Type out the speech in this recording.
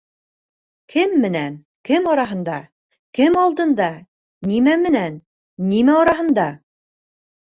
Кем менән? Кем араһында? Кем алдында? Нимә менән? Нимә араһында?